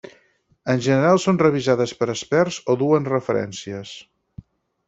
En general són revisades per experts o duen referències.